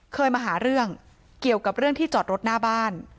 เคยมาหาเรื่องเกี่ยวกับเรื่องที่จอดรถหน้าบ้าน